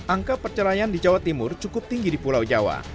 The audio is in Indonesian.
angka perceraian di jawa timur cukup tinggi di pulau jawa